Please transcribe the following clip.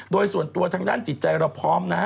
โดยส่วนตัวทางด้านจิตใจเราพร้อมนะ